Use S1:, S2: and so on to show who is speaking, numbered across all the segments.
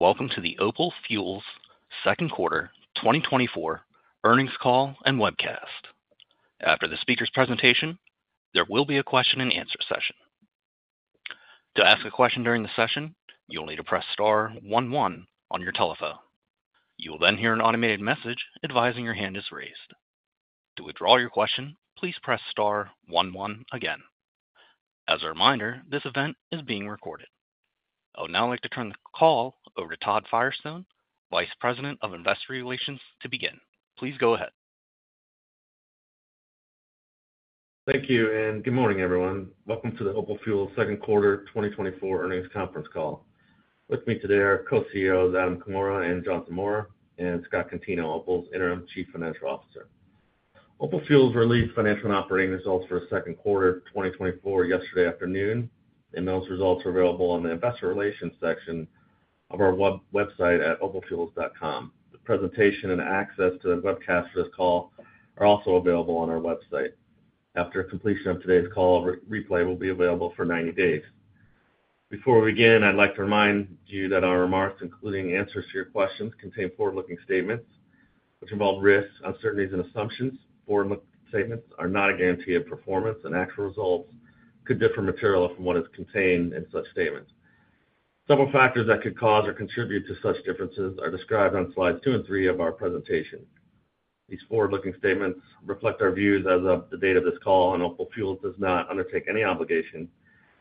S1: Welcome to the Opal Fuels second quarter 2024 earnings call and webcast. After the speaker's presentation, there will be a question-and-answer session. To ask a question during the session, you'll need to press star 11 on your telephone. You will then hear an automated message advising your hand is raised. To withdraw your question, please press star 11 again. As a reminder, this event is being recorded. I would now like to turn the call over to Todd Firestone, Vice President of Investor Relations, to begin. Please go ahead.
S2: Thank you, and good morning, everyone. Welcome to the Opal Fuels second quarter 2024 earnings conference call. With me today are co-CEOs Adam Comora, Ann Anthony, and Jonathan Maurer, and Scott Contino, Opal's Interim Chief Financial Officer. Opal Fuels released financial and operating results for the second quarter 2024 yesterday afternoon, and those results are available on the Investor Relations section of our website at opalfuels.com. The presentation and access to the webcast for this call are also available on our website. After completion of today's call, a replay will be available for 90 days. Before we begin, I'd like to remind you that our remarks, including answers to your questions, contain forward-looking statements which involve risks, uncertainties, and assumptions. Forward-looking statements are not a guarantee of performance, and actual results could differ materially from what is contained in such statements. Several factors that could cause or contribute to such differences are described on slides 2 and 3 of our presentation. These forward-looking statements reflect our views as of the date of this call, and Opal Fuels does not undertake any obligation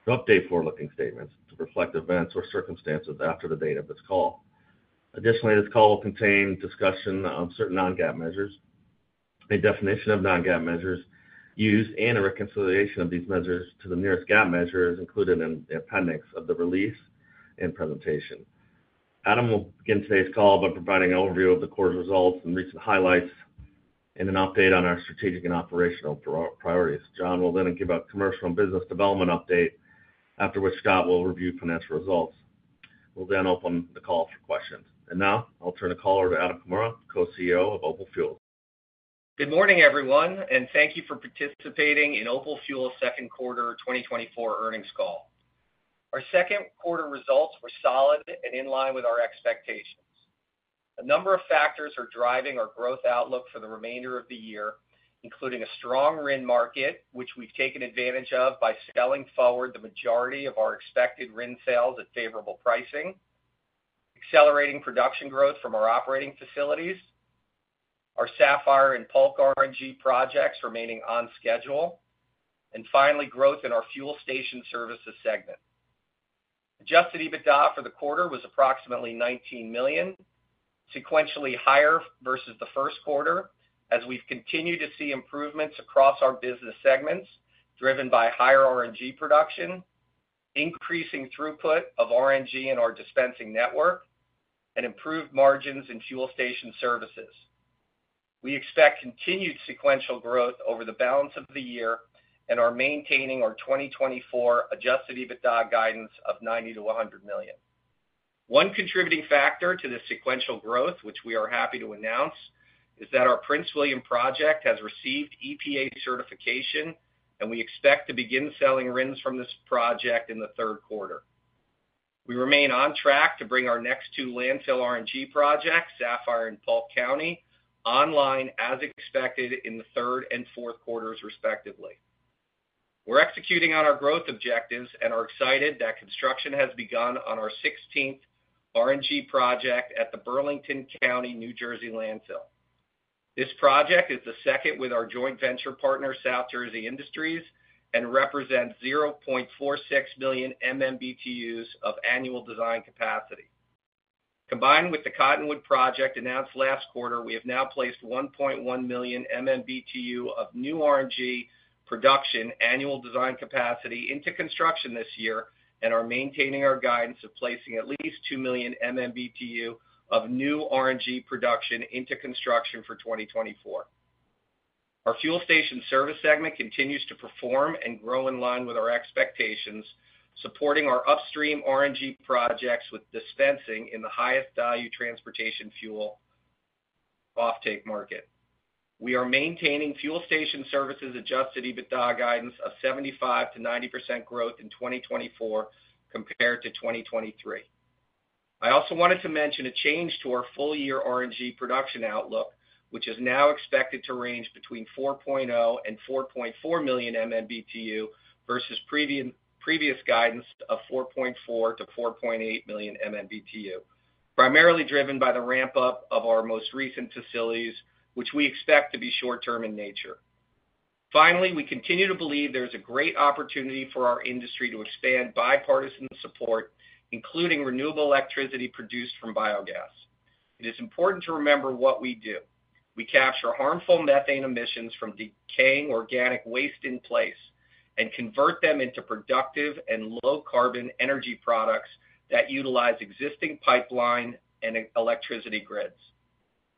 S2: to update forward-looking statements to reflect events or circumstances after the date of this call. Additionally, this call will contain discussion on certain non-GAAP measures, a definition of non-GAAP measures used, and a reconciliation of these measures to the nearest GAAP measures included in the appendix of the release and presentation. Adam will begin today's call by providing an overview of the quarter's results and recent highlights and an update on our strategic and operational priorities. Jon will then give a commercial and business development update, after which Scott will review financial results. We'll then open the call for questions. Now, I'll turn the call over to Adam Comora, Co-CEO of Opal Fuels.
S3: Good morning, everyone, and thank you for participating in Opal Fuels second quarter 2024 earnings call. Our second quarter results were solid and in line with our expectations. A number of factors are driving our growth outlook for the remainder of the year, including a strong RIN market, which we've taken advantage of by selling forward the majority of our expected RIN sales at favorable pricing, accelerating production growth from our operating facilities, our Sapphire and Polk RNG projects remaining on schedule, and finally, growth in our fuel station services segment. Adjusted EBITDA for the quarter was approximately $19 million, sequentially higher versus the first quarter, as we've continued to see improvements across our business segments driven by higher RNG production, increasing throughput of RNG in our dispensing network, and improved margins in fuel station services. We expect continued sequential growth over the balance of the year and are maintaining our 2024 Adjusted EBITDA guidance of $90-$100 million. One contributing factor to this sequential growth, which we are happy to announce, is that our Prince William project has received EPA certification, and we expect to begin selling RINs from this project in the third quarter. We remain on track to bring our next two landfill RNG projects, Sapphire and Polk County, online as expected in the third and fourth quarters, respectively. We're executing on our growth objectives and are excited that construction has begun on our 16th RNG project at the Burlington County, New Jersey, landfill. This project is the second with our joint venture partner, South Jersey Industries, and represents 0.46 million MMBtu of annual design capacity. Combined with the Cottonwood project announced last quarter, we have now placed 1.1 million MMBtu of new RNG production annual design capacity into construction this year and are maintaining our guidance of placing at least 2 million MMBtu of new RNG production into construction for 2024. Our fuel station service segment continues to perform and grow in line with our expectations, supporting our upstream RNG projects with dispensing in the highest value transportation fuel offtake market. We are maintaining fuel station services Adjusted EBITDA guidance of 75%-90% growth in 2024 compared to 2023. I also wanted to mention a change to our full-year RNG production outlook, which is now expected to range between 4.0-4.4 million MMBtu versus previous guidance of 4.4-4.8 million MMBtu, primarily driven by the ramp-up of our most recent facilities, which we expect to be short-term in nature. Finally, we continue to believe there is a great opportunity for our industry to expand bipartisan support, including renewable electricity produced from biogas. It is important to remember what we do. We capture harmful methane emissions from decaying organic waste in place and convert them into productive and low-carbon energy products that utilize existing pipeline and electricity grids.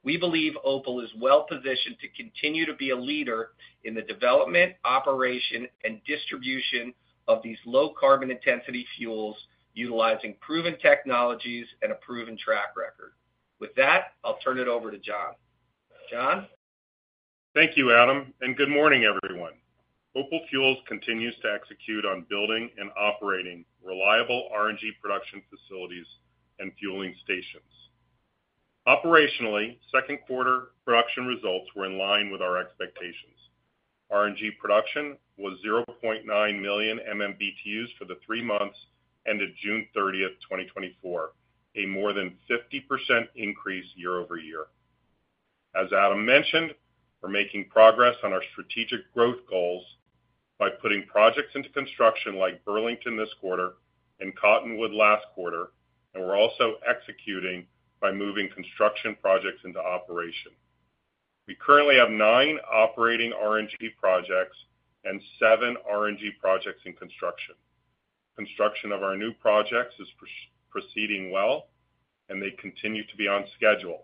S3: We believe Opal is well-positioned to continue to be a leader in the development, operation, and distribution of these low-carbon intensity fuels, utilizing proven technologies and a proven track record. With that, I'll turn it over to Jon. Jon.
S4: Thank you, Adam, and good morning, everyone. Opal Fuels continues to execute on building and operating reliable RNG production facilities and fueling stations. Operationally, second quarter production results were in line with our expectations. RNG production was 0.9 million MMBtu for the three months ended June 30, 2024, a more than 50% increase year-over-year. As Adam mentioned, we're making progress on our strategic growth goals by putting projects into construction like Burlington this quarter and Cottonwood last quarter, and we're also executing by moving construction projects into operation. We currently have nine operating RNG projects and seven RNG projects in construction. Construction of our new projects is proceeding well, and they continue to be on schedule.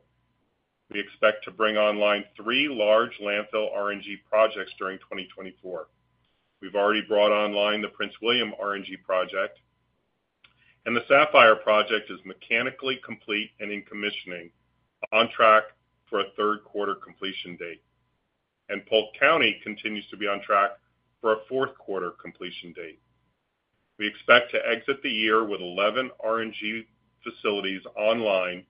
S4: We expect to bring online three large landfill RNG projects during 2024. We've already brought online the Prince William RNG project, and the Sapphire project is mechanically complete and in commissioning, on track for a third quarter completion date. Polk County continues to be on track for a fourth quarter completion date. We expect to exit the year with 11 RNG facilities online,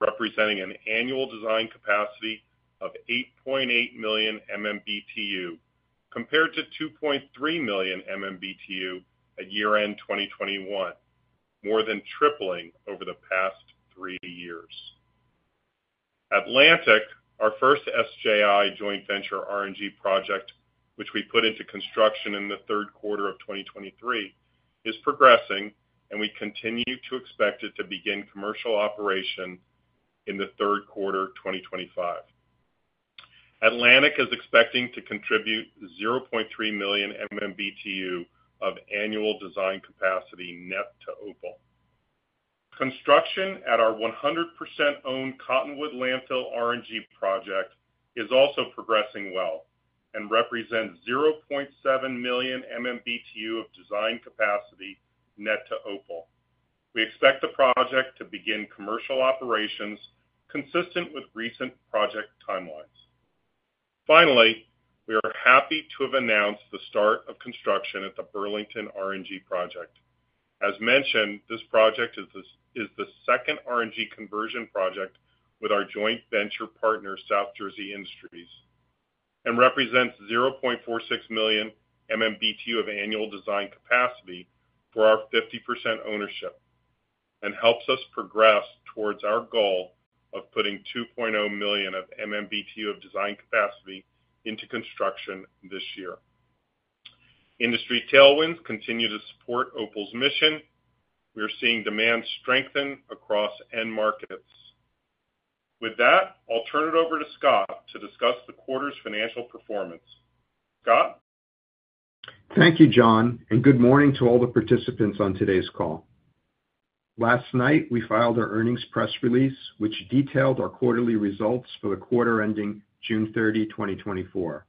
S4: representing an annual design capacity of 8.8 million MMBtu, compared to 2.3 million MMBtu at year-end 2021, more than tripling over the past three years. Atlantic, our first SJI joint venture RNG project, which we put into construction in the third quarter of 2023, is progressing, and we continue to expect it to begin commercial operation in the third quarter 2025. Atlantic is expecting to contribute 0.3 million MMBtu of annual design capacity net to Opal. Construction at our 100% owned Cottonwood landfill RNG project is also progressing well and represents 0.7 million MMBTU of design capacity net to Opal. We expect the project to begin commercial operations consistent with recent project timelines. Finally, we are happy to have announced the start of construction at the Burlington RNG project. As mentioned, this project is the second RNG conversion project with our joint venture partner, South Jersey Industries, and represents 0.46 million MMBTU of annual design capacity for our 50% ownership and helps us progress towards our goal of putting 2.0 million of MMBTU of design capacity into construction this year. Industry tailwinds continue to support Opal's mission. We are seeing demand strengthen across end markets. With that, I'll turn it over to Scott to discuss the quarter's financial performance. Scott?
S5: Thank you, Jon, and good morning to all the participants on today's call. Last night, we filed our earnings press release, which detailed our quarterly results for the quarter ending June 30, 2024.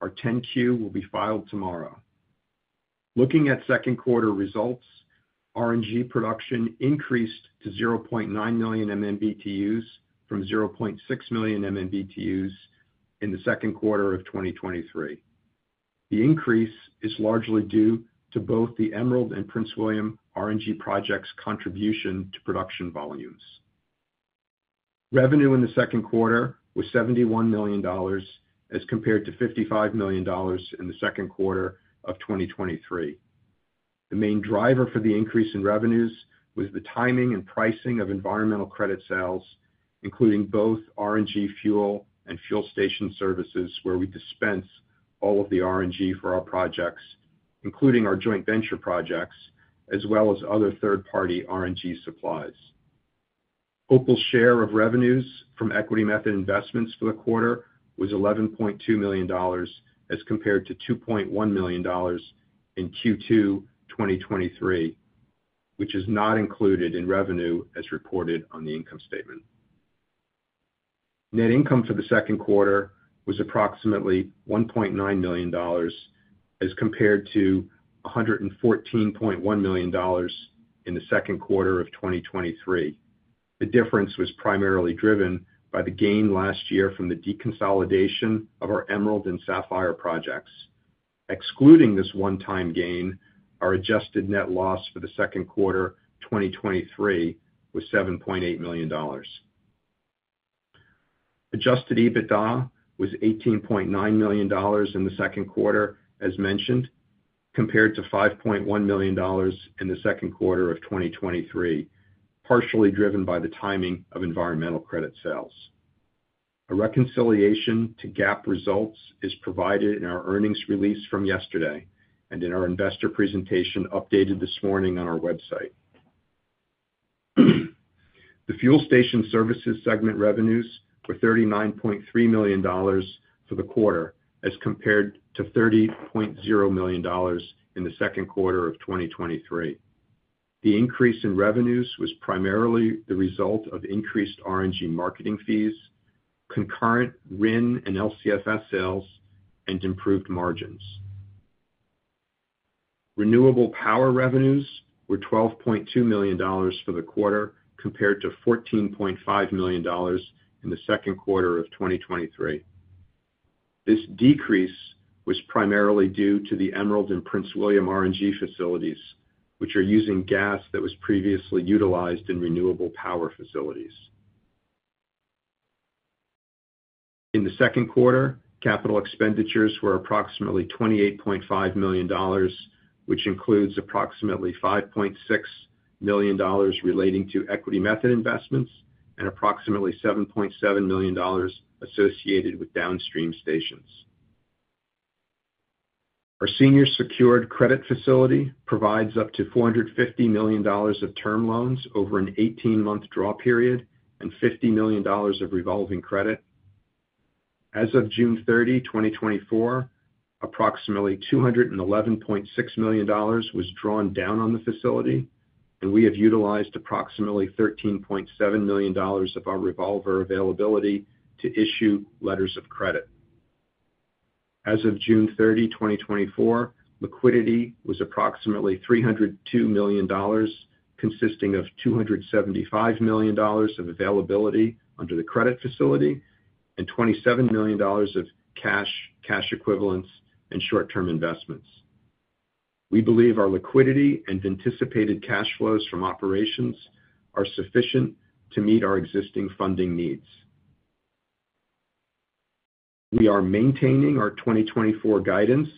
S5: Our 10-Q will be filed tomorrow. Looking at second quarter results, RNG production increased to 0.9 million MMBtu from 0.6 million MMBtu in the second quarter of 2023. The increase is largely due to both the Emerald and Prince William RNG projects' contribution to production volumes. Revenue in the second quarter was $71 million as compared to $55 million in the second quarter of 2023. The main driver for the increase in revenues was the timing and pricing of environmental credit sales, including both RNG fuel and fuel station services, where we dispense all of the RNG for our projects, including our joint venture projects, as well as other third-party RNG supplies. Opal's share of revenues from equity method investments for the quarter was $11.2 million as compared to $2.1 million in Q2 2023, which is not included in revenue as reported on the income statement. Net income for the second quarter was approximately $1.9 million as compared to $114.1 million in the second quarter of 2023. The difference was primarily driven by the gain last year from the deconsolidation of our Emerald and Sapphire projects. Excluding this one-time gain, our adjusted net loss for the second quarter 2023 was $7.8 million. Adjusted EBITDA was $18.9 million in the second quarter, as mentioned, compared to $5.1 million in the second quarter of 2023, partially driven by the timing of environmental credit sales. A reconciliation to GAAP results is provided in our earnings release from yesterday and in our investor presentation updated this morning on our website. The fuel station services segment revenues were $39.3 million for the quarter as compared to $30.0 million in the second quarter of 2023. The increase in revenues was primarily the result of increased RNG marketing fees, concurrent RIN and LCFS sales, and improved margins. Renewable power revenues were $12.2 million for the quarter compared to $14.5 million in the second quarter of 2023. This decrease was primarily due to the Emerald and Prince William RNG facilities, which are using gas that was previously utilized in renewable power facilities. In the second quarter, capital expenditures were approximately $28.5 million, which includes approximately $5.6 million relating to equity method investments and approximately $7.7 million associated with downstream stations. Our senior secured credit facility provides up to $450 million of term loans over an 18-month draw period and $50 million of revolving credit. As of June 30, 2024, approximately $211.6 million was drawn down on the facility, and we have utilized approximately $13.7 million of our revolver availability to issue letters of credit. As of June 30, 2024, liquidity was approximately $302 million, consisting of $275 million of availability under the credit facility and $27 million of cash, cash equivalents, and short-term investments. We believe our liquidity and anticipated cash flows from operations are sufficient to meet our existing funding needs. We are maintaining our 2024 guidance,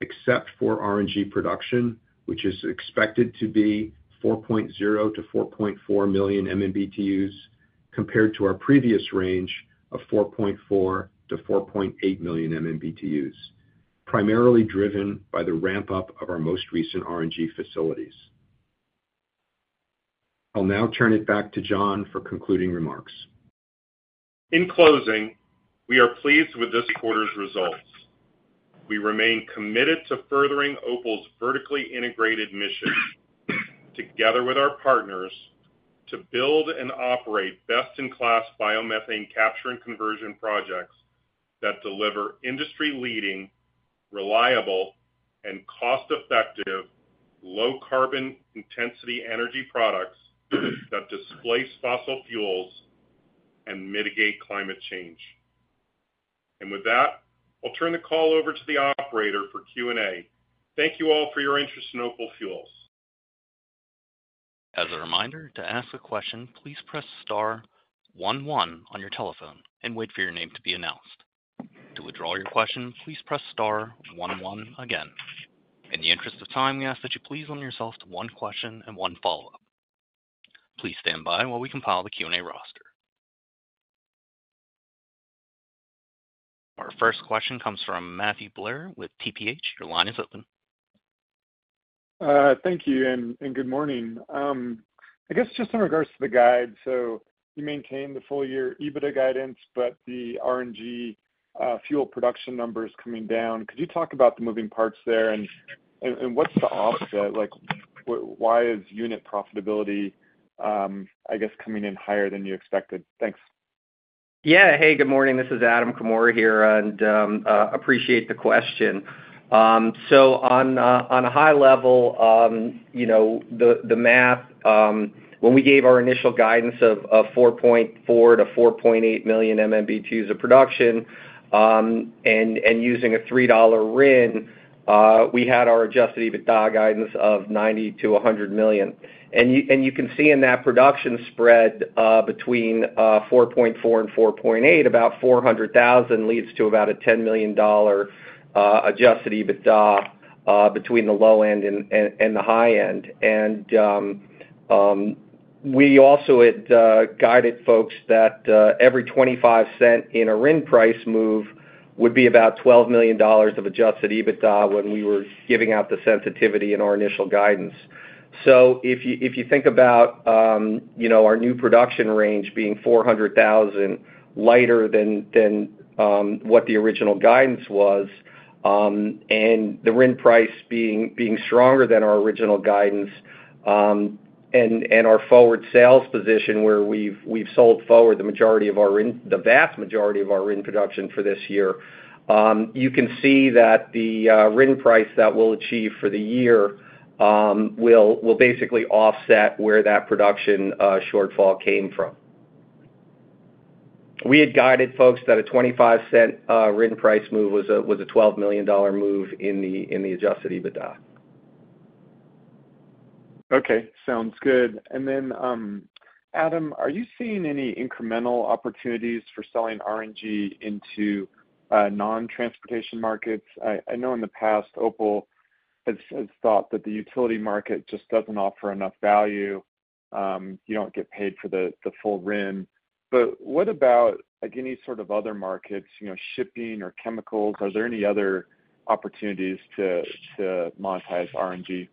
S5: except for RNG production, which is expected to be 4.0-4.4 million MMBTUs compared to our previous range of 4.4-4.8 million MMBTUs, primarily driven by the ramp-up of our most recent RNG facilities. I'll now turn it back to Jon for concluding remarks.
S4: In closing, we are pleased with this quarter's results. We remain committed to furthering Opal's vertically integrated mission together with our partners to build and operate best-in-class biomethane capture and conversion projects that deliver industry-leading, reliable, and cost-effective low-carbon intensity energy products that displace fossil fuels and mitigate climate change. And with that, I'll turn the call over to the operator for Q&A. Thank you all for your interest in Opal Fuels.
S1: As a reminder, to ask a question, please press star 1 1 on your telephone and wait for your name to be announced. To withdraw your question, please press star 1 1 again. In the interest of time, we ask that you please limit yourself to one question and one follow-up. Please stand by while we compile the Q&A roster. Our first question comes from Matthew Blair with TPH. Your line is open.
S6: Thank you and good morning. I guess just in regards to the guide, so you maintain the full-year EBITDA guidance, but the RNG fuel production number is coming down. Could you talk about the moving parts there and what's the offset? Why is unit profitability, I guess, coming in higher than you expected? Thanks.
S3: Yeah. Hey, good morning. This is Adam Comora here, and I appreciate the question. So on a high level, the math, when we gave our initial guidance of 4.4-4.8 million MMBtu of production and using a $3 RIN, we had our Adjusted EBITDA guidance of $90-$100 million. And you can see in that production spread between 4.4 and 4.8, about 400,000 leads to about a $10 million Adjusted EBITDA between the low end and the high end. And we also had guided folks that every 25 cents in a RIN price move would be about $12 million of Adjusted EBITDA when we were giving out the sensitivity in our initial guidance. If you think about our new production range being 400,000 lighter than what the original guidance was and the RIN price being stronger than our original guidance and our forward sales position where we've sold forward the majority of our RIN, the vast majority of our RIN production for this year, you can see that the RIN price that we'll achieve for the year will basically offset where that production shortfall came from. We had guided folks that a $0.25 RIN price move was a $12 million move in the Adjusted EBITDA.
S6: Okay. Sounds good. Then, Adam, are you seeing any incremental opportunities for selling RNG into non-transportation markets? I know in the past, Opal has thought that the utility market just doesn't offer enough value. You don't get paid for the full RIN. But what about any sort of other markets, shipping or chemicals? Are there any other opportunities to monetize RNG?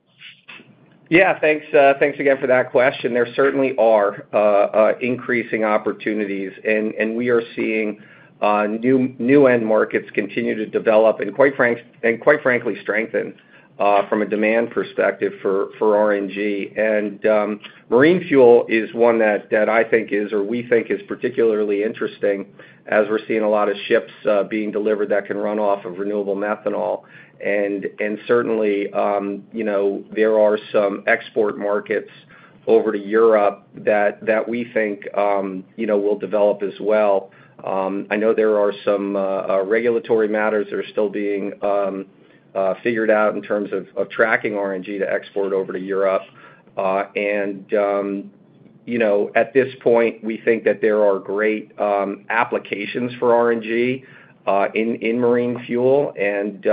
S3: Yeah. Thanks again for that question. There certainly are increasing opportunities, and we are seeing new end markets continue to develop and, quite frankly, strengthen from a demand perspective for RNG. And marine fuel is one that I think is, or we think is, particularly interesting as we're seeing a lot of ships being delivered that can run off of renewable methanol. And certainly, there are some export markets over to Europe that we think will develop as well. I know there are some regulatory matters that are still being figured out in terms of tracking RNG to export over to Europe. And at this point, we think that there are great applications for RNG in marine fuel, and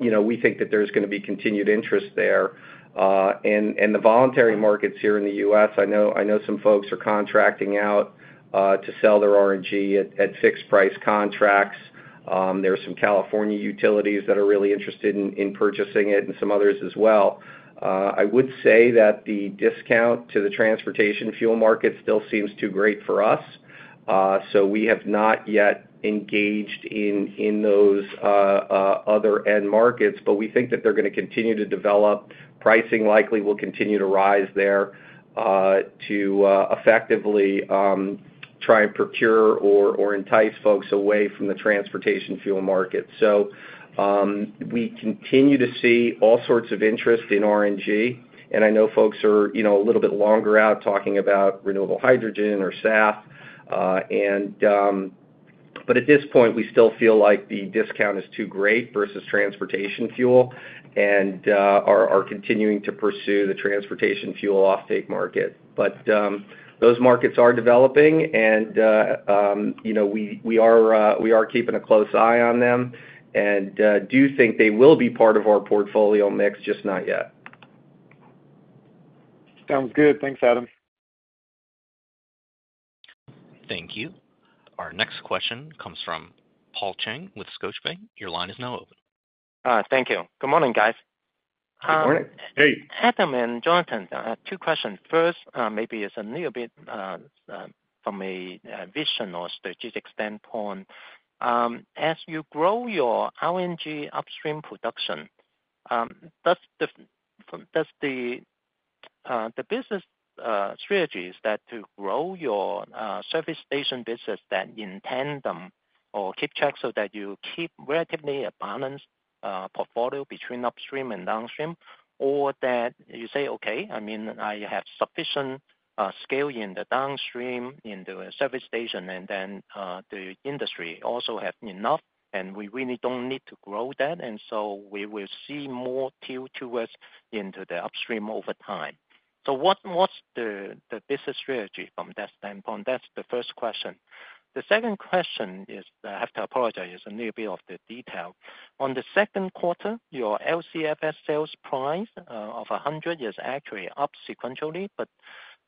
S3: we think that there's going to be continued interest there. The voluntary markets here in the U.S., I know some folks are contracting out to sell their RNG at fixed-price contracts. There are some California utilities that are really interested in purchasing it and some others as well. I would say that the discount to the transportation fuel market still seems too great for us. So we have not yet engaged in those other end markets, but we think that they're going to continue to develop. Pricing likely will continue to rise there to effectively try and procure or entice folks away from the transportation fuel market. So we continue to see all sorts of interest in RNG, and I know folks are a little bit longer out talking about renewable hydrogen or SAF. But at this point, we still feel like the discount is too great versus transportation fuel and are continuing to pursue the transportation fuel offtake market. But those markets are developing, and we are keeping a close eye on them and do think they will be part of our portfolio mix, just not yet.
S6: Sounds good. Thanks, Adam.
S1: Thank you. Our next question comes from Paul Cheng with Scotiabank. Your line is now open.
S7: Thank you. Good morning, guys.
S4: Good morning. Hey.
S7: Adam and Jonathan, two questions. First, maybe it's a little bit from a vision or strategic standpoint. As you grow your RNG upstream production, does the business strategy is that to grow your service station business that in tandem or keep track so that you keep relatively a balanced portfolio between upstream and downstream, or that you say, "Okay, I mean, I have sufficient scale in the downstream, in the service station, and then the industry also has enough, and we really don't need to grow that, and so we will see more till towards into the upstream over time." So what's the business strategy from that standpoint? That's the first question. The second question is, I have to apologize, is a little bit of the detail. On the second quarter, your LCFS sales price of $100 is actually up sequentially, but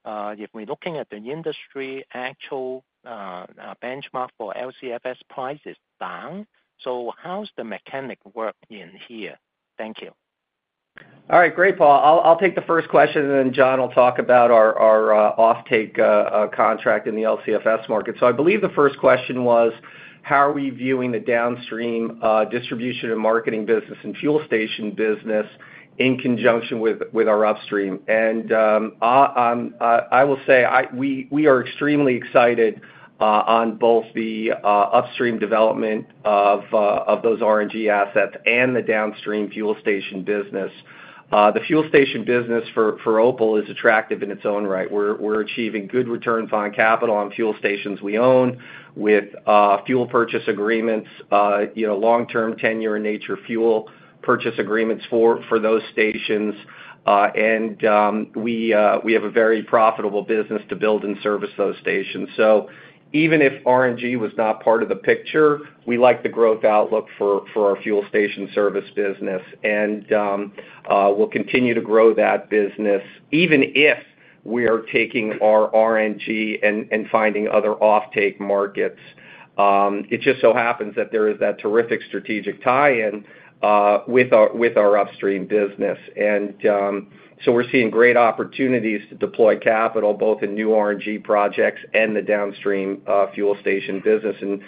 S7: if we're looking at the industry actual benchmark for LCFS price is down. So how's the mechanics work in here? Thank you.
S3: All right. Great, Paul. I'll take the first question, and then Jon will talk about our offtake contract in the LCFS market. So I believe the first question was, how are we viewing the downstream distribution and marketing business and fuel station business in conjunction with our upstream? And I will say we are extremely excited on both the upstream development of those RNG assets and the downstream fuel station business. The fuel station business for Opal is attractive in its own right. We're achieving good returns on capital on fuel stations we own with fuel purchase agreements, long-term ten-year-in-nature fuel purchase agreements for those stations, and we have a very profitable business to build and service those stations. So even if RNG was not part of the picture, we like the growth outlook for our fuel station service business, and we'll continue to grow that business even if we are taking our RNG and finding other offtake markets. It just so happens that there is that terrific strategic tie-in with our upstream business. And so we're seeing great opportunities to deploy capital both in new RNG projects and the downstream fuel station business. And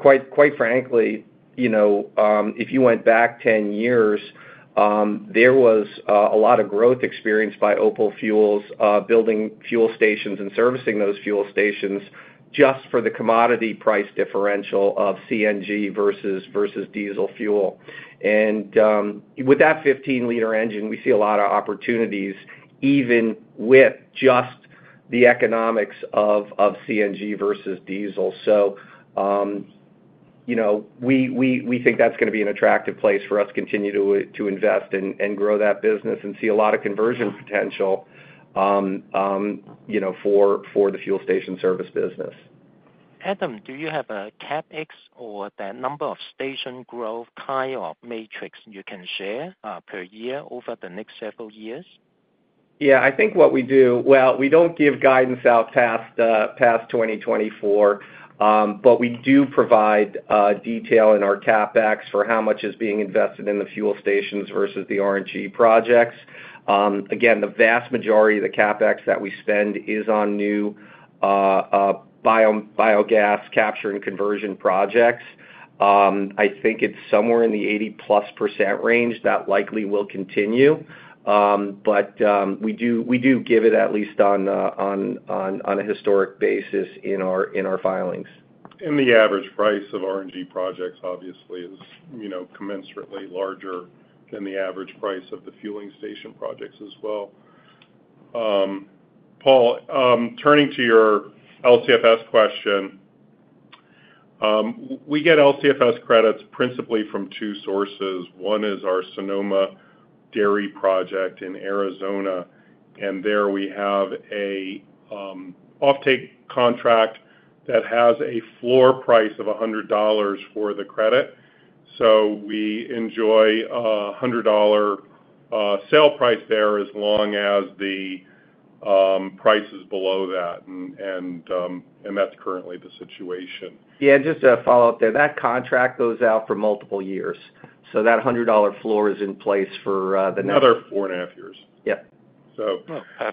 S3: quite frankly, if you went back 10 years, there was a lot of growth experienced by Opal Fuels building fuel stations and servicing those fuel stations just for the commodity price differential of CNG versus diesel fuel. And with that 15-liter engine, we see a lot of opportunities even with just the economics of CNG versus diesel. We think that's going to be an attractive place for us to continue to invest and grow that business and see a lot of conversion potential for the fuel station service business.
S7: Adam, do you have a CapEx or the number of station growth kind of matrix you can share per year over the next several years?
S3: Yeah. I think what we do, well, we don't give guidance out past 2024, but we do provide detail in our CapEx for how much is being invested in the fuel stations versus the RNG projects. Again, the vast majority of the CapEx that we spend is on new biogas capture and conversion projects. I think it's somewhere in the 80%+ range that likely will continue, but we do give it at least on a historic basis in our filings.
S4: The average price of RNG projects, obviously, is commensurately larger than the average price of the fueling station projects as well. Paul, turning to your LCFS question, we get LCFS credits principally from two sources. One is our Sonoma Dairy project in Arizona, and there we have an offtake contract that has a floor price of $100 for the credit. So we enjoy a $100 sale price there as long as the price is below that, and that's currently the situation.
S3: Yeah. Just a follow-up there. That contract goes out for multiple years. So that $100 floor is in place for the next.
S4: Another 4.5 years.
S3: Yep.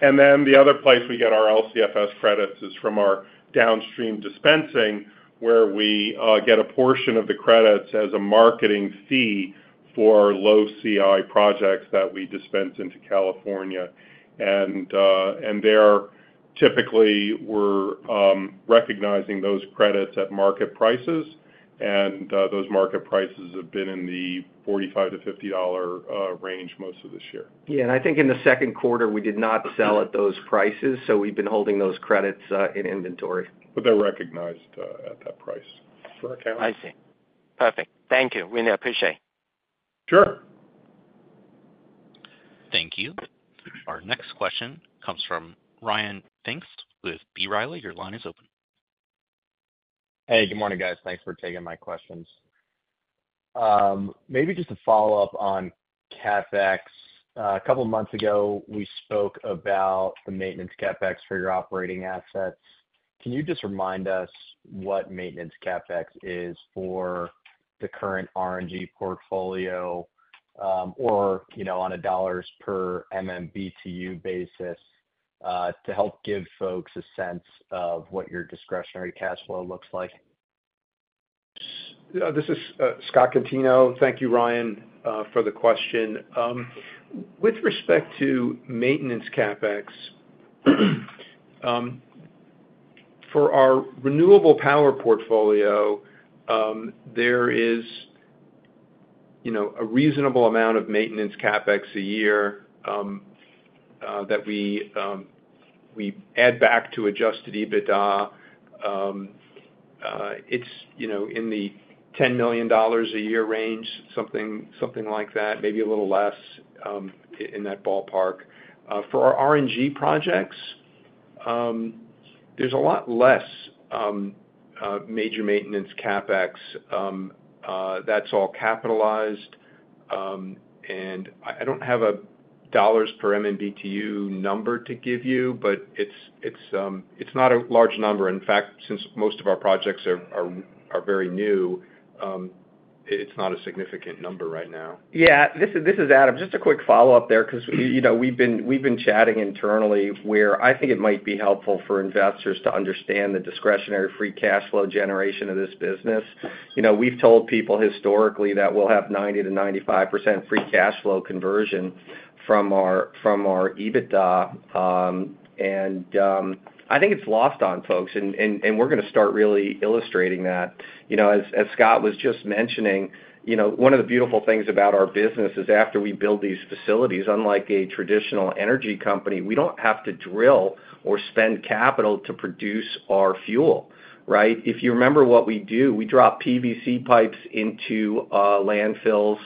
S4: Then the other place we get our LCFS credits is from our downstream dispensing, where we get a portion of the credits as a marketing fee for low CI projects that we dispense into California. There typically, we're recognizing those credits at market prices, and those market prices have been in the $45-$50 range most of this year.
S3: Yeah. I think in the second quarter, we did not sell at those prices, so we've been holding those credits in inventory.
S4: But they're recognized at that price for accounts.
S7: I see. Perfect. Thank you. Really appreciate it.
S4: Sure.
S1: Thank you. Our next question comes from Ryan Pfingst with B. Riley. Your line is open.
S8: Hey, good morning, guys. Thanks for taking my questions. Maybe just a follow-up on CapEx. A couple of months ago, we spoke about the maintenance CapEx for your operating assets. Can you just remind us what maintenance CapEx is for the current RNG portfolio or on a dollars-per-MMBtu basis to help give folks a sense of what your discretionary cash flow looks like?
S5: This is Scott Contino. Thank you, Ryan, for the question. With respect to maintenance CapEx, for our renewable power portfolio, there is a reasonable amount of maintenance CapEx a year that we add back to Adjusted EBITDA. It's in the $10 million a year range, something like that, maybe a little less in that ballpark. For our RNG projects, there's a lot less major maintenance CapEx that's all capitalized. And I don't have a dollars-per-MMBtu number to give you, but it's not a large number. In fact, since most of our projects are very new, it's not a significant number right now.
S3: Yeah. This is Adam. Just a quick follow-up there because we've been chatting internally where I think it might be helpful for investors to understand the discretionary free cash flow generation of this business. We've told people historically that we'll have 90%-95% free cash flow conversion from our EBITDA, and I think it's lost on folks, and we're going to start really illustrating that. As Scott was just mentioning, one of the beautiful things about our business is after we build these facilities, unlike a traditional energy company, we don't have to drill or spend capital to produce our fuel, right? If you remember what we do, we drop PVC pipes into landfills,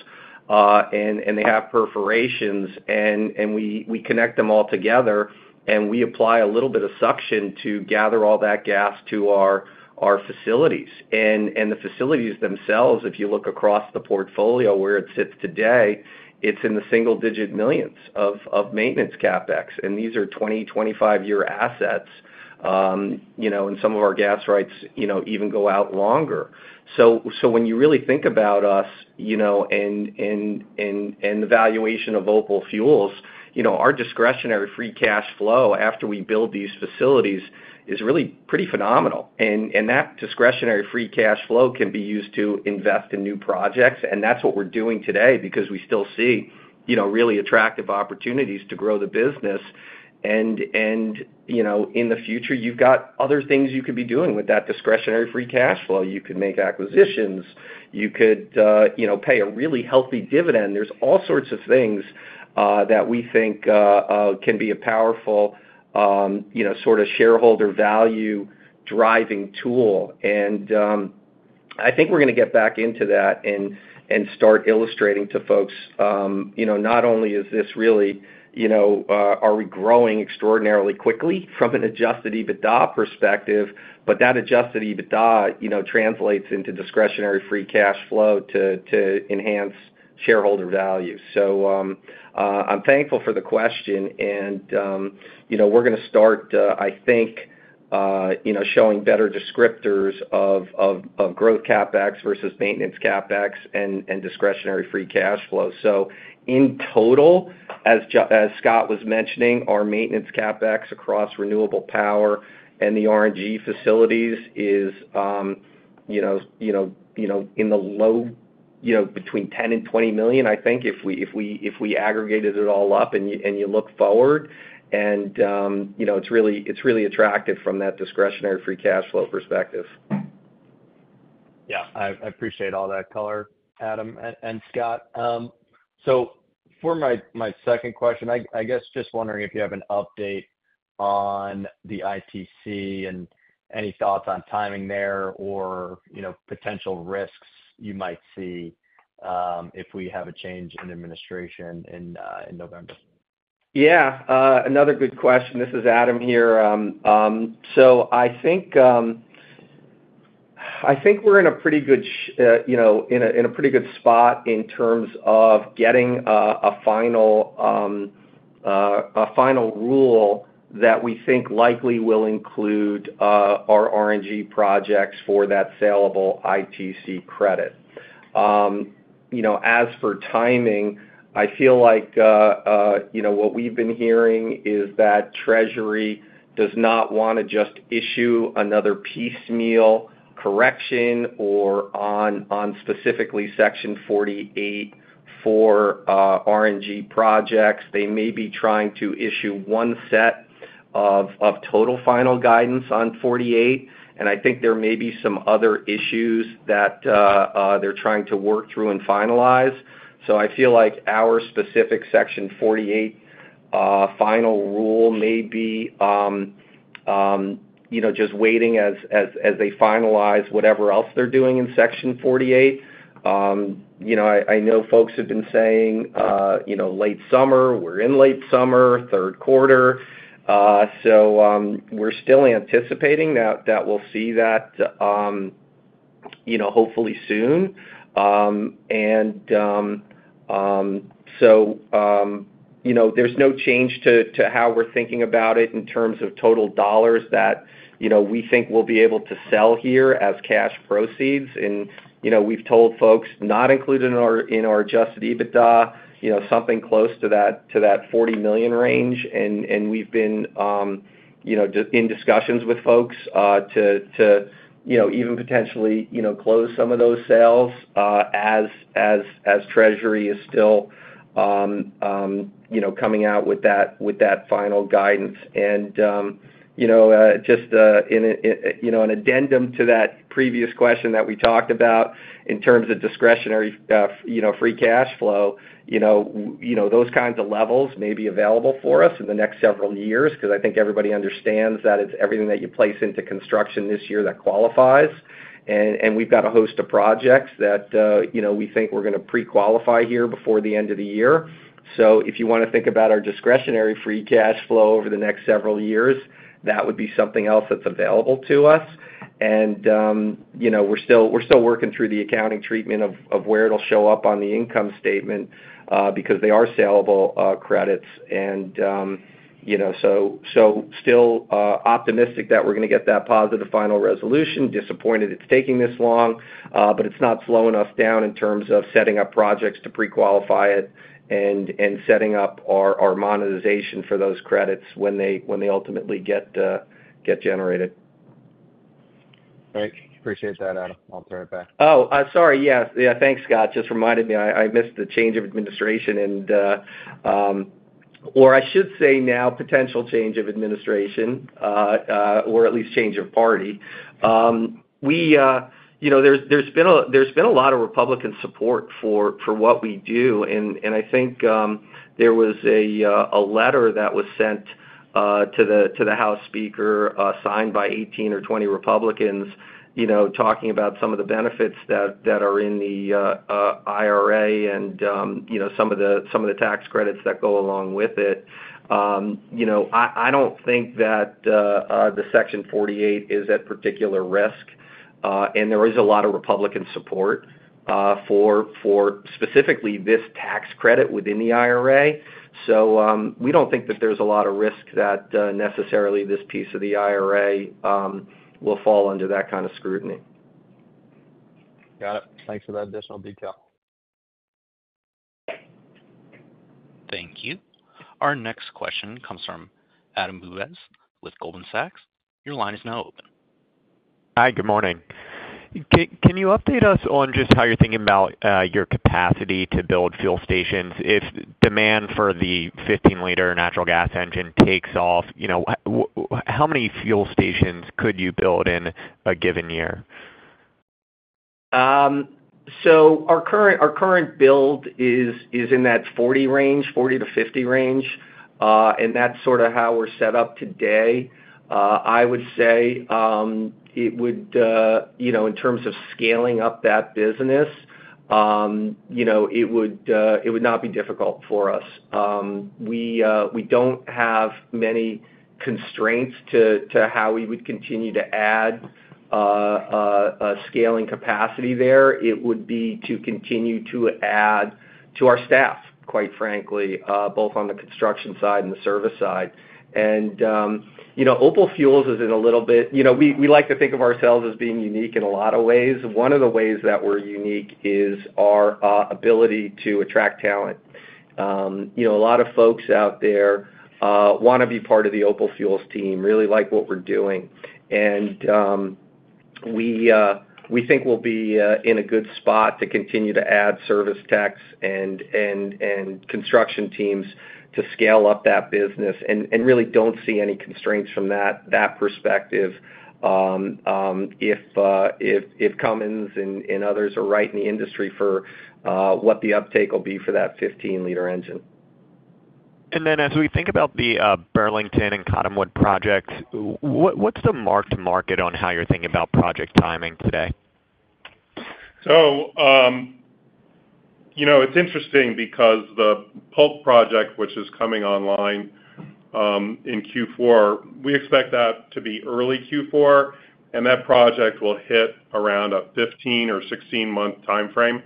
S3: and they have perforations, and we connect them all together, and we apply a little bit of suction to gather all that gas to our facilities. The facilities themselves, if you look across the portfolio where it sits today, it's in the single-digit millions of maintenance CapEx, and these are 20- and 25-year assets, and some of our gas rights even go out longer. So when you really think about us and the valuation of Opal Fuels, our discretionary free cash flow after we build these facilities is really pretty phenomenal. That discretionary free cash flow can be used to invest in new projects, and that's what we're doing today because we still see really attractive opportunities to grow the business. In the future, you've got other things you could be doing with that discretionary free cash flow. You could make acquisitions. You could pay a really healthy dividend. There's all sorts of things that we think can be a powerful sort of shareholder value-driving tool. I think we're going to get back into that and start illustrating to folks not only is this really, are we growing extraordinarily quickly from an Adjusted EBITDA perspective, but that Adjusted EBITDA translates into discretionary free cash flow to enhance shareholder value. I'm thankful for the question, and we're going to start, I think, showing better descriptors of growth CapEx versus maintenance CapEx and discretionary free cash flow. In total, as Scott was mentioning, our maintenance CapEx across renewable power and the RNG facilities is in the low between $10 million and $20 million, I think, if we aggregated it all up and you look forward, and it's really attractive from that discretionary free cash flow perspective.
S8: Yeah. I appreciate all that color, Adam and Scott. So for my second question, I guess just wondering if you have an update on the ITC and any thoughts on timing there or potential risks you might see if we have a change in administration in November.
S3: Yeah. Another good question. This is Adam here. So I think we're in a pretty good spot in terms of getting a final rule that we think likely will include our RNG projects for that salable ITC credit. As for timing, I feel like what we've been hearing is that Treasury does not want to just issue another piecemeal correction or on specifically Section 48 for RNG projects. They may be trying to issue one set of total final guidance on 48, and I think there may be some other issues that they're trying to work through and finalize. So I feel like our specific Section 48 final rule may be just waiting as they finalize whatever else they're doing in Section 48. I know folks have been saying late summer, we're in late summer, third quarter. So we're still anticipating that we'll see that hopefully soon. And so there's no change to how we're thinking about it in terms of total dollars that we think we'll be able to sell here as cash proceeds. And we've told folks, not included in our Adjusted EBITDA, something close to that $40 million range, and we've been in discussions with folks to even potentially close some of those sales as Treasury is still coming out with that final guidance. And just in an addendum to that previous question that we talked about in terms of discretionary free cash flow, those kinds of levels may be available for us in the next several years because I think everybody understands that it's everything that you place into construction this year that qualifies. And we've got a host of projects that we think we're going to pre-qualify here before the end of the year. So if you want to think about our discretionary free cash flow over the next several years, that would be something else that's available to us. And we're still working through the accounting treatment of where it'll show up on the income statement because they are saleable credits. And so, still optimistic that we're going to get that positive final resolution. Disappointed it's taking this long, but it's not slowing us down in terms of setting up projects to pre-qualify it and setting up our monetization for those credits when they ultimately get generated.
S8: Great. Appreciate that, Adam. I'll turn it back.
S3: Oh, sorry. Yeah. Yeah. Thanks, Scott. Just reminded me. I missed the change of administration and, or I should say now potential change of administration or at least change of party. There's been a lot of Republican support for what we do, and I think there was a letter that was sent to the House Speaker signed by 18 or 20 Republicans talking about some of the benefits that are in the IRA and some of the tax credits that go along with it. I don't think that the Section 48 is at particular risk, and there is a lot of Republican support for specifically this tax credit within the IRA. So we don't think that there's a lot of risk that necessarily this piece of the IRA will fall under that kind of scrutiny.
S8: Got it. Thanks for that additional detail.
S1: Thank you. Our next question comes from Adam Bubes with Goldman Sachs. Your line is now open.
S9: Hi. Good morning. Can you update us on just how you're thinking about your capacity to build fuel stations? If demand for the 15-liter natural gas engine takes off, how many fuel stations could you build in a given year?
S3: So our current build is in that 40 range, 40-50 range, and that's sort of how we're set up today. I would say it would, in terms of scaling up that business, it would not be difficult for us. We don't have many constraints to how we would continue to add scaling capacity there. It would be to continue to add to our staff, quite frankly, both on the construction side and the service side. And Opal Fuels is in a little bit we like to think of ourselves as being unique in a lot of ways. One of the ways that we're unique is our ability to attract talent. A lot of folks out there want to be part of the Opal Fuels team, really like what we're doing. We think we'll be in a good spot to continue to add service techs and construction teams to scale up that business and really don't see any constraints from that perspective if Cummins and others are right in the industry for what the uptake will be for that 15-liter engine.
S9: And then as we think about the Burlington and Cottonwood projects, what's the mark-to-market on how you're thinking about project timing today?
S4: So it's interesting because the Polk project, which is coming online in Q4, we expect that to be early Q4, and that project will hit around a 15 or 16-month timeframe.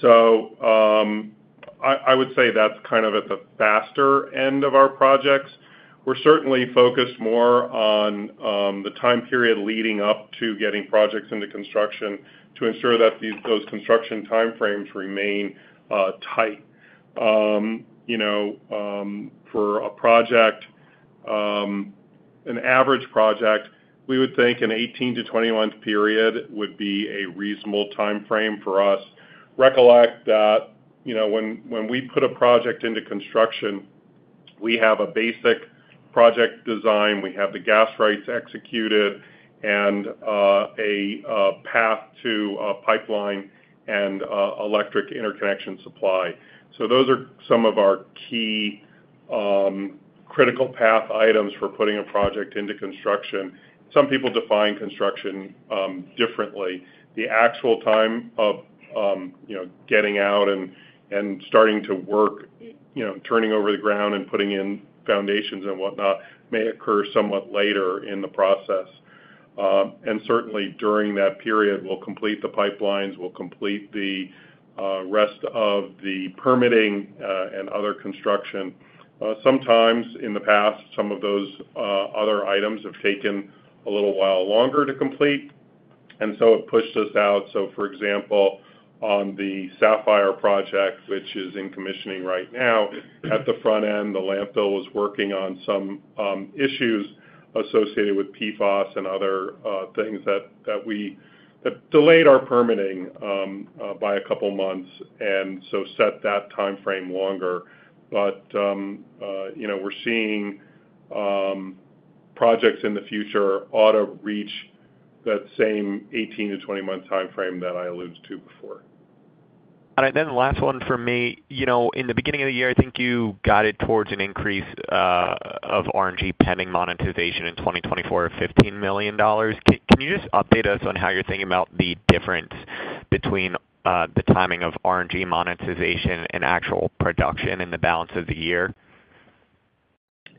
S4: So I would say that's kind of at the faster end of our projects. We're certainly focused more on the time period leading up to getting projects into construction to ensure that those construction timeframes remain tight. For an average project, we would think an 18-20-month period would be a reasonable timeframe for us. Recollect that when we put a project into construction, we have a basic project design, we have the gas rights executed, and a path to pipeline and electric interconnection supply. So those are some of our key critical path items for putting a project into construction. Some people define construction differently. The actual time of getting out and starting to work, turning over the ground and putting in foundations and whatnot may occur somewhat later in the process. Certainly during that period, we'll complete the pipelines, we'll complete the rest of the permitting and other construction. Sometimes in the past, some of those other items have taken a little while longer to complete, and so it pushed us out. For example, on the Sapphire project, which is in commissioning right now at the front end, the landfill was working on some issues associated with PFAS and other things that delayed our permitting by a couple of months and so set that timeframe longer. But we're seeing projects in the future ought to reach that same 18-20-month timeframe that I alluded to before.
S9: All right. Then the last one for me. In the beginning of the year, I think you guided towards an increase of RNG pending monetization in 2024 of $15 million. Can you just update us on how you're thinking about the difference between the timing of RNG monetization and actual production in the balance of the year?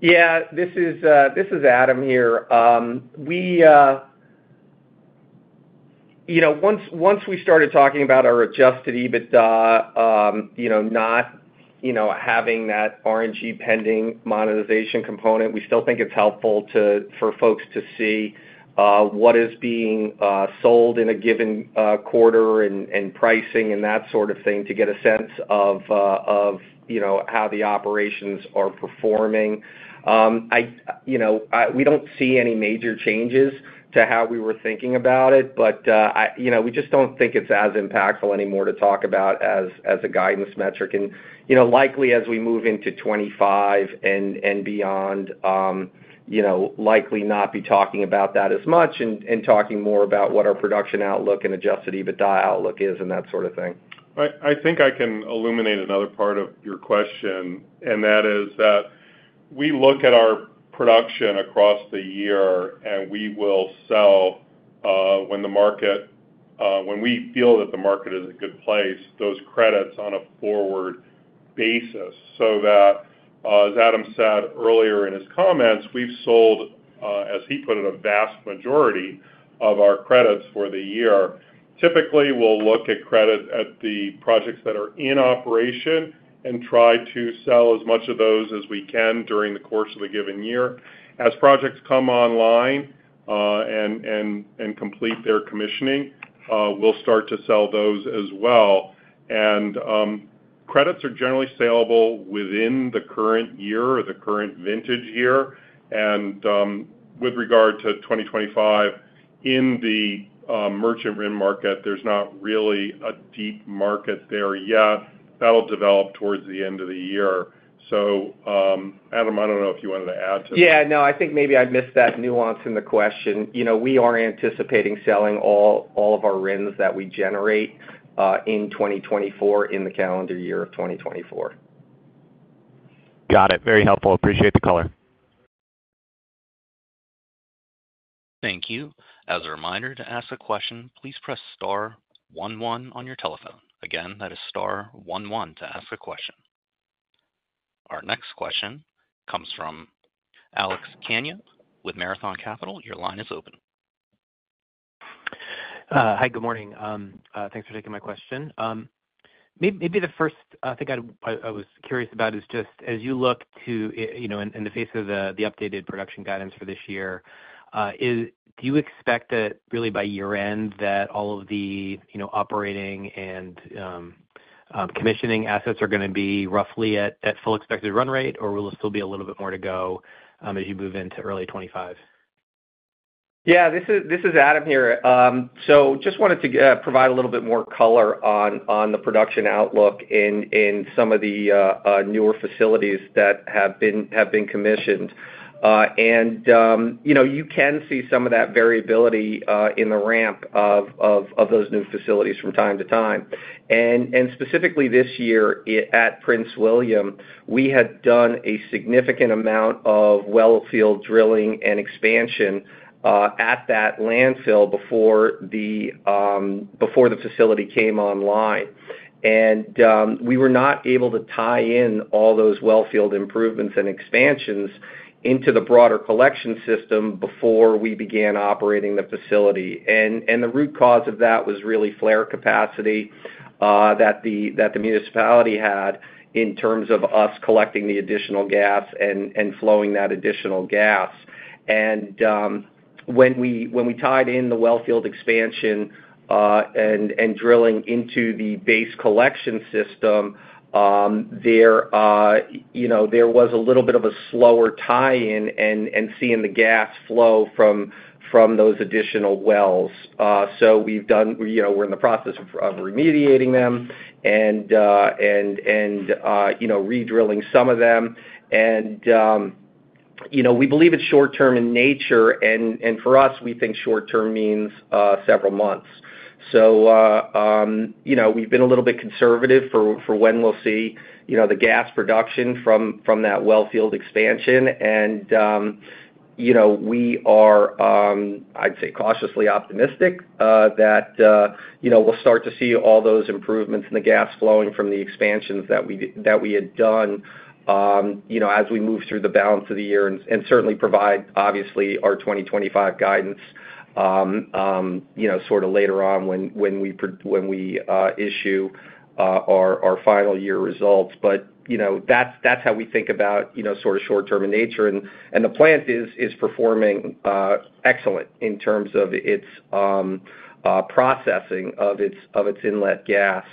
S3: Yeah. This is Adam here. Once we started talking about our Adjusted EBITDA, not having that RNG pending monetization component, we still think it's helpful for folks to see what is being sold in a given quarter and pricing and that sort of thing to get a sense of how the operations are performing. We don't see any major changes to how we were thinking about it, but we just don't think it's as impactful anymore to talk about as a guidance metric. Likely as we move into 2025 and beyond, likely not be talking about that as much and talking more about what our production outlook and Adjusted EBITDA outlook is and that sort of thing.
S4: I think I can illuminate another part of your question, and that is that we look at our production across the year and we will sell when we feel that the market is a good place, those credits on a forward basis. So that, as Adam said earlier in his comments, we've sold, as he put it, a vast majority of our credits for the year. Typically, we'll look at credit at the projects that are in operation and try to sell as much of those as we can during the course of a given year. As projects come online and complete their commissioning, we'll start to sell those as well. And credits are generally saleable within the current year or the current vintage year. And with regard to 2025, in the merchant RIN market, there's not really a deep market there yet. That'll develop toward the end of the year. Adam, I don't know if you wanted to add to that.
S3: Yeah. No, I think maybe I missed that nuance in the question. We are anticipating selling all of our RINs that we generate in 2024 in the calendar year of 2024.
S9: Got it. Very helpful. Appreciate the color.
S1: Thank you. As a reminder to ask a question, please press star 11 on your telephone. Again, that is star 11 to ask a question. Our next question comes from Alex Kania with Marathon Capital. Your line is open.
S10: Hi. Good morning. Thanks for taking my question. Maybe the first thing I was curious about is just as you look to in the face of the updated production guidance for this year, do you expect that really by year-end that all of the operating and commissioning assets are going to be roughly at full expected run rate, or will there still be a little bit more to go as you move into early 2025?
S3: Yeah. This is Adam here. So just wanted to provide a little bit more color on the production outlook in some of the newer facilities that have been commissioned. You can see some of that variability in the ramp of those new facilities from time to time. Specifically this year at Prince William, we had done a significant amount of wellfield drilling and expansion at that landfill before the facility came online. We were not able to tie in all those wellfield improvements and expansions into the broader collection system before we began operating the facility. The root cause of that was really flare capacity that the municipality had in terms of us collecting the additional gas and flowing that additional gas. When we tied in the wellfield expansion and drilling into the base collection system, there was a little bit of a slower tie-in and seeing the gas flow from those additional wells. So we're in the process of remediating them and redrilling some of them. And we believe it's short-term in nature. And for us, we think short-term means several months. So we've been a little bit conservative for when we'll see the gas production from that wellfield expansion. And we are, I'd say, cautiously optimistic that we'll start to see all those improvements in the gas flowing from the expansions that we had done as we move through the balance of the year and certainly provide, obviously, our 2025 guidance sort of later on when we issue our final year results. But that's how we think about sort of short-term in nature. The plant is performing excellent in terms of its processing of its inlet gas.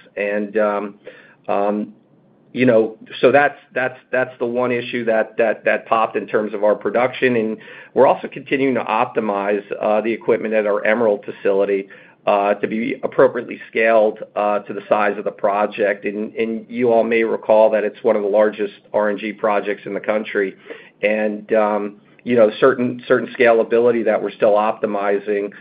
S3: So that's the one issue that popped in terms of our production. We're also continuing to optimize the equipment at our Emerald facility to be appropriately scaled to the size of the project. You all may recall that it's one of the largest RNG projects in the country. Certain scalability that we're still optimizing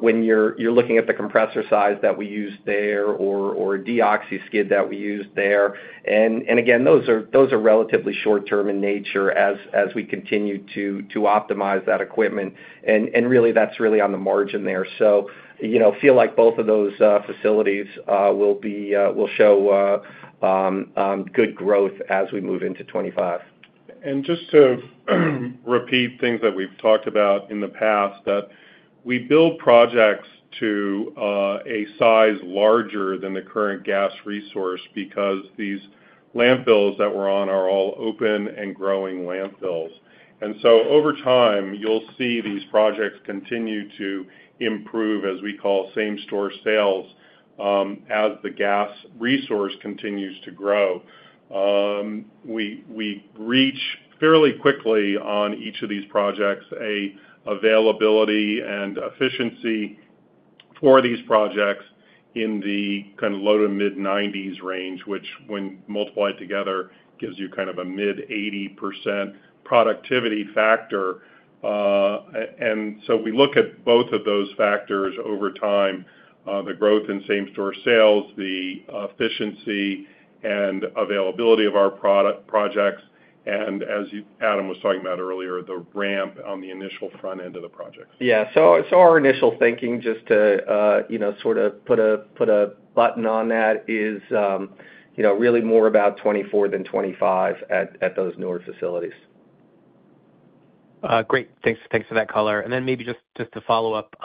S3: when you're looking at the compressor size that we use there or Deoxo skid that we use there. Again, those are relatively short-term in nature as we continue to optimize that equipment. Really, that's really on the margin there. So feel like both of those facilities will show good growth as we move into 2025.
S4: Just to repeat things that we've talked about in the past, that we build projects to a size larger than the current gas resource because these landfills that we're on are all open and growing landfills. So over time, you'll see these projects continue to improve as we call same-store sales as the gas resource continues to grow. We reach fairly quickly on each of these projects an availability and efficiency for these projects in the kind of low- to mid-90s range, which when multiplied together gives you kind of a mid-80% productivity factor. So we look at both of those factors over time: the growth in same-store sales, the efficiency and availability of our projects, and as Adam was talking about earlier, the ramp on the initial front end of the projects.
S3: Yeah. So our initial thinking, just to sort of put a button on that, is really more about 2024 than 2025 at those newer facilities.
S10: Great. Thanks for that color. Then maybe just to follow up,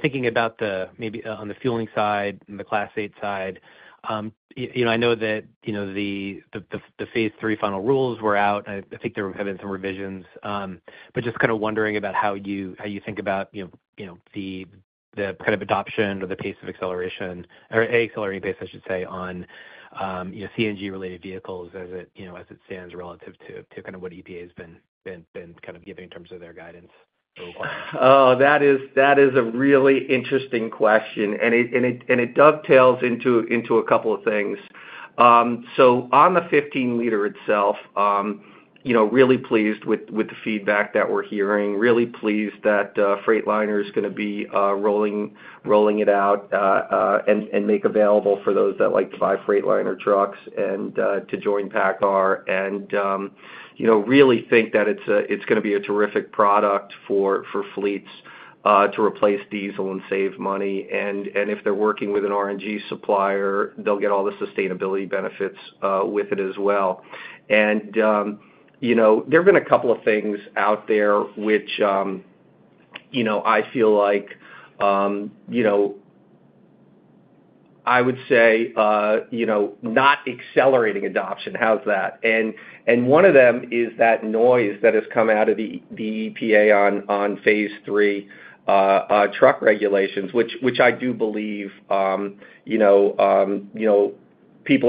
S10: thinking about maybe on the fueling side and the Class 8 side, I know that the phase III final rules were out. I think there have been some revisions. Just kind of wondering about how you think about the kind of adoption or the pace of acceleration or accelerating pace, I should say, on CNG-related vehicles as it stands relative to kind of what EPA has been kind of giving in terms of their guidance.
S3: Oh, that is a really interesting question. It dovetails into a couple of things. So on the 15-liter itself, really pleased with the feedback that we're hearing, really pleased that Freightliner is going to be rolling it out and make available for those that like to buy Freightliner trucks and to join PACCAR. Really think that it's going to be a terrific product for fleets to replace diesel and save money. If they're working with an RNG supplier, they'll get all the sustainability benefits with it as well. There have been a couple of things out there which I feel like I would say not accelerating adoption has that. One of them is that noise that has come out of the EPA on phase III truck regulations, which I do believe people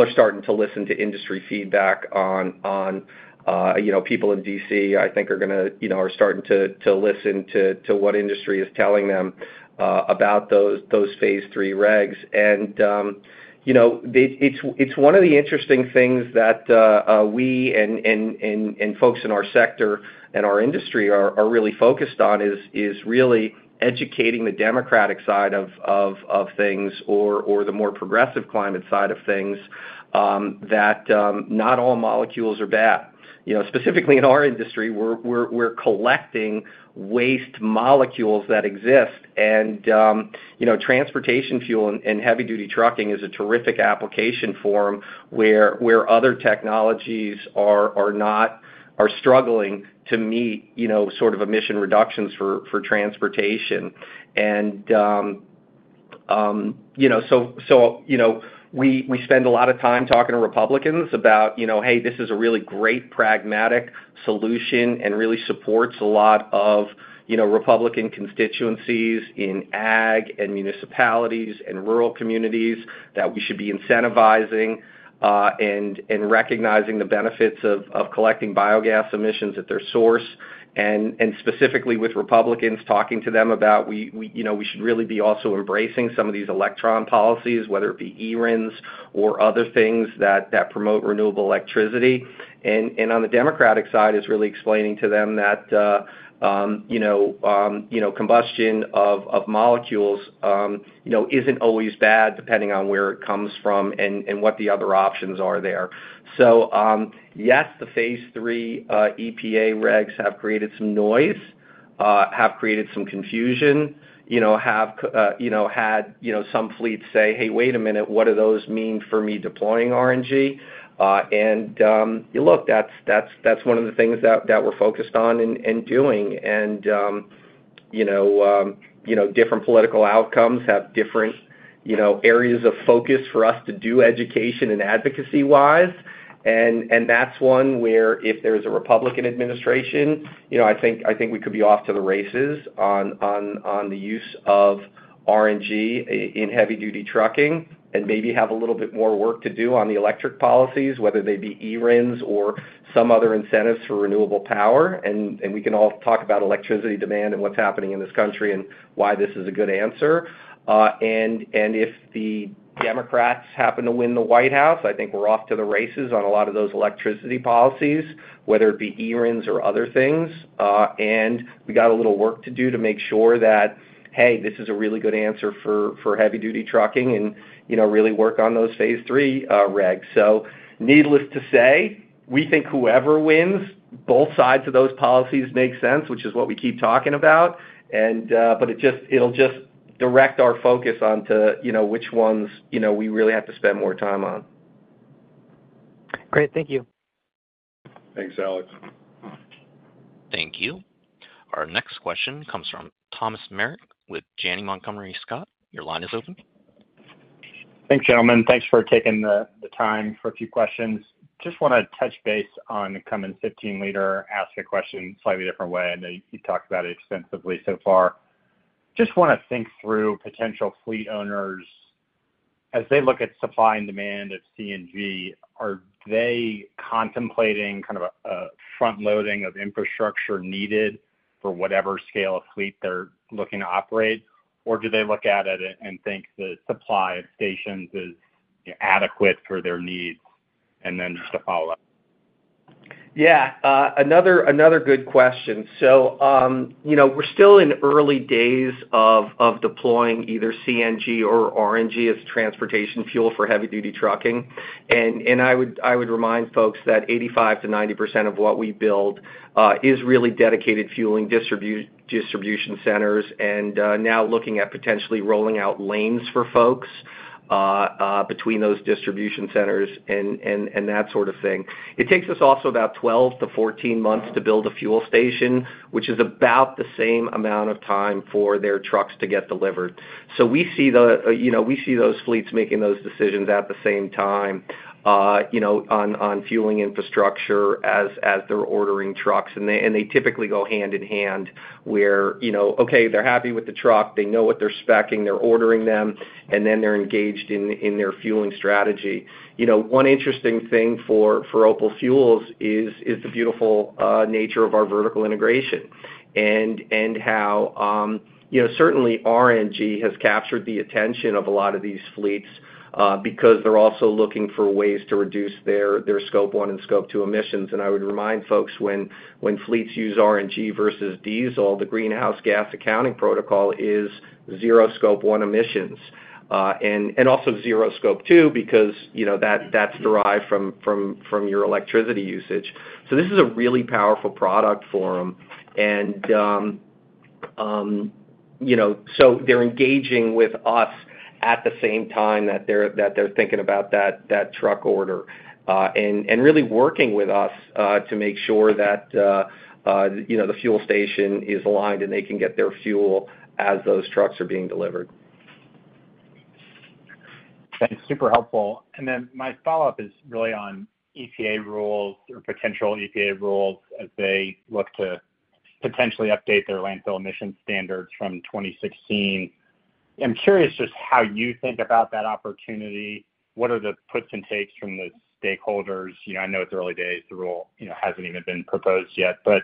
S3: are starting to listen to industry feedback on. People in D.C., I think, are going to start to listen to what industry is telling them about those phase III regs. It's one of the interesting things that we and folks in our sector and our industry are really focused on is really educating the Democratic side of things or the more progressive climate side of things that not all molecules are bad. Specifically in our industry, we're collecting waste molecules that exist. Transportation fuel and heavy-duty trucking is a terrific application for them where other technologies are struggling to meet sort of emission reductions for transportation. So we spend a lot of time talking to Republicans about, "Hey, this is a really great pragmatic solution and really supports a lot of Republican constituencies in ag and municipalities and rural communities that we should be incentivizing and recognizing the benefits of collecting biogas emissions at their source." Specifically with Republicans talking to them about we should really be also embracing some of these electron policies, whether it be e-RINs or other things that promote renewable electricity. On the Democratic side, it's really explaining to them that combustion of molecules isn't always bad depending on where it comes from and what the other options are there. So yes, the phase III EPA regs have created some noise, have created some confusion, have had some fleets say, "Hey, wait a minute, what do those mean for me deploying RNG?" And look, that's one of the things that we're focused on and doing. And different political outcomes have different areas of focus for us to do education and advocacy-wise. And that's one where if there's a Republican administration, I think we could be off to the races on the use of RNG in heavy-duty trucking and maybe have a little bit more work to do on the electric policies, whether they be e-RINs or some other incentives for renewable power. And we can all talk about electricity demand and what's happening in this country and why this is a good answer. If the Democrats happen to win the White House, I think we're off to the races on a lot of those electricity policies, whether it be e-RINs or other things. We got a little work to do to make sure that, "Hey, this is a really good answer for heavy-duty trucking and really work on those phase III regs." Needless to say, we think whoever wins, both sides of those policies make sense, which is what we keep talking about. It'll just direct our focus onto which ones we really have to spend more time on.
S10: Great. Thank you.
S4: Thanks, Alex.
S1: Thank you. Our next question comes from Thomas Meric with Janney Montgomery Scott. Your line is open.
S11: Thanks, gentlemen. Thanks for taking the time for a few questions. Just want to touch base on the coming 15-liter. Ask a question in a slightly different way. I know you've talked about it extensively so far. Just want to think through potential fleet owners as they look at supply and demand of CNG. Are they contemplating kind of a front-loading of infrastructure needed for whatever scale of fleet they're looking to operate? Or do they look at it and think the supply of stations is adequate for their needs? And then just a follow-up.
S3: Yeah. Another good question. So we're still in early days of deploying either CNG or RNG as transportation fuel for heavy-duty trucking. And I would remind folks that 85%-90% of what we build is really dedicated fueling distribution centers and now looking at potentially rolling out lanes for folks between those distribution centers and that sort of thing. It takes us also about 12-14 months to build a fuel station, which is about the same amount of time for their trucks to get delivered. So we see those fleets making those decisions at the same time on fueling infrastructure as they're ordering trucks. And they typically go hand in hand where, okay, they're happy with the truck, they know what they're speccing, they're ordering them, and then they're engaged in their fueling strategy. One interesting thing for Opal Fuels is the beautiful nature of our vertical integration and how certainly RNG has captured the attention of a lot of these fleets because they're also looking for ways to reduce their Scope 1 and Scope 2 emissions. I would remind folks when fleets use RNG versus diesel, the greenhouse gas accounting protocol is zero Scope 1 emissions and also zero Scope 2 because that's derived from your electricity usage. So this is a really powerful product for them. They're engaging with us at the same time that they're thinking about that truck order and really working with us to make sure that the fuel station is aligned and they can get their fuel as those trucks are being delivered.
S11: Thanks. Super helpful. And then my follow-up is really on EPA rules or potential EPA rules as they look to potentially update their landfill emission standards from 2016. I'm curious just how you think about that opportunity. What are the puts and takes from the stakeholders? I know it's early days. The rule hasn't even been proposed yet. But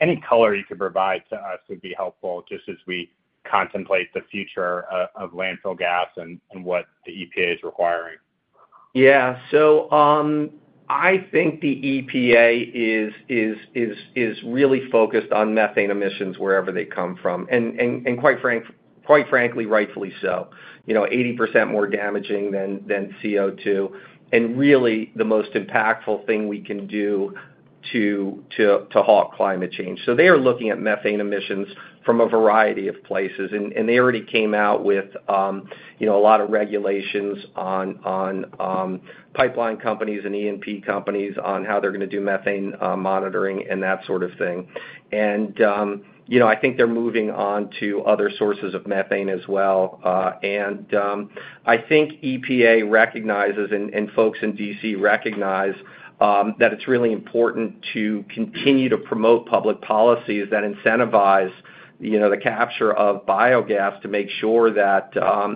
S11: any color you could provide to us would be helpful just as we contemplate the future of landfill gas and what the EPA is requiring.
S3: Yeah. So I think the EPA is really focused on methane emissions wherever they come from. And quite frankly, rightfully so, 80% more damaging than CO2 and really the most impactful thing we can do to halt climate change. So they are looking at methane emissions from a variety of places. And they already came out with a lot of regulations on pipeline companies and E&P companies on how they're going to do methane monitoring and that sort of thing. And I think they're moving on to other sources of methane as well. And I think EPA recognizes and folks in D.C. recognize that it's really important to continue to promote public policies that incentivize the capture of biogas to make sure that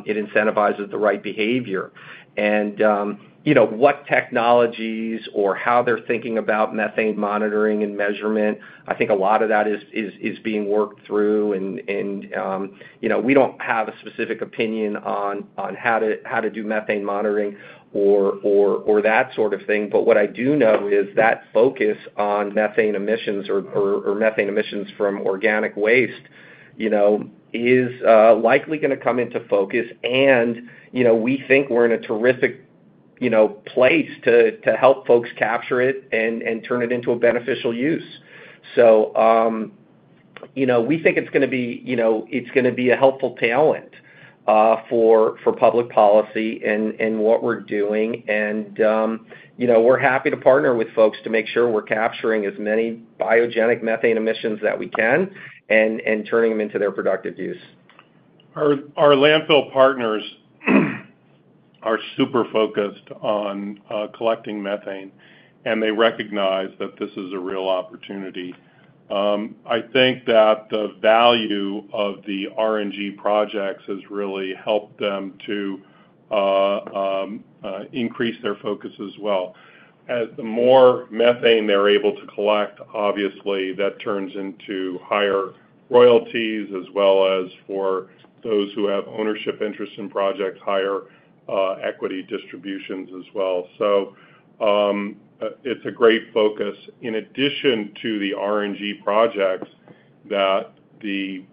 S3: it incentivizes the right behavior. And what technologies or how they're thinking about methane monitoring and measurement, I think a lot of that is being worked through. We don't have a specific opinion on how to do methane monitoring or that sort of thing. But what I do know is that focus on methane emissions or methane emissions from organic waste is likely going to come into focus. And we think we're in a terrific place to help folks capture it and turn it into a beneficial use. So we think it's going to be it's going to be a helpful talent for public policy and what we're doing. And we're happy to partner with folks to make sure we're capturing as many biogenic methane emissions that we can and turning them into their productive use.
S4: Our landfill partners are super focused on collecting methane. They recognize that this is a real opportunity. I think that the value of the RNG projects has really helped them to increase their focus as well. The more methane they're able to collect, obviously, that turns into higher royalties as well as for those who have ownership interests in projects, higher equity distributions as well. So it's a great focus in addition to the RNG projects that the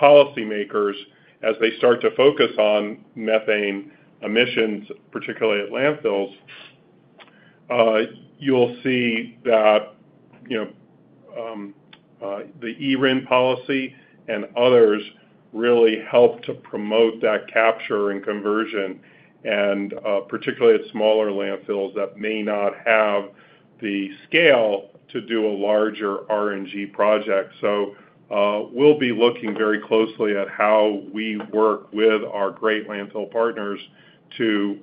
S4: policymakers, as they start to focus on methane emissions, particularly at landfills, you'll see that the e-RIN policy and others really help to promote that capture and conversion, and particularly at smaller landfills that may not have the scale to do a larger RNG project. So we'll be looking very closely at how we work with our great landfill partners to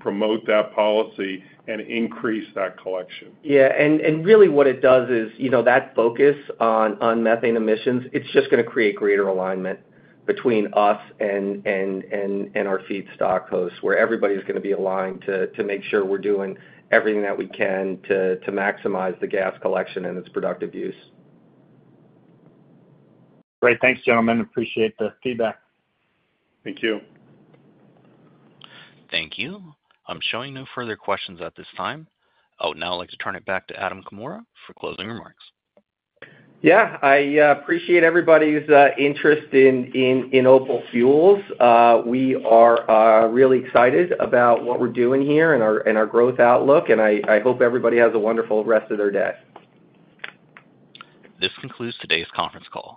S4: promote that policy and increase that collection.
S3: Yeah. And really what it does is that focus on methane emissions, it's just going to create greater alignment between us and our feedstock hosts where everybody's going to be aligned to make sure we're doing everything that we can to maximize the gas collection and its productive use.
S11: Great. Thanks, gentlemen. Appreciate the feedback.
S4: Thank you.
S1: Thank you. I'm showing no further questions at this time. Oh, now I'd like to turn it back to Adam Comora for closing remarks.
S3: Yeah. I appreciate everybody's interest in Opal Fuels. We are really excited about what we're doing here and our growth outlook. I hope everybody has a wonderful rest of their day.
S1: This concludes today's conference call.